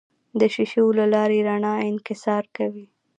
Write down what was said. د شیشو له لارې رڼا انکسار کوي.